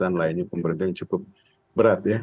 yang lainnya pemerintah yang cukup berat ya